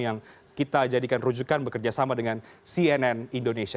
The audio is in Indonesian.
yang kita jadikan rujukan bekerjasama dengan cnn indonesia